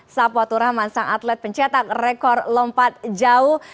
sapwa turah masang atlet pencetak rekor lompat jauh